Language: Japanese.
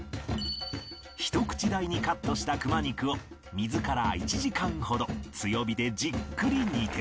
ひと口大にカットした熊肉を水から１時間ほど強火でじっくり煮ていく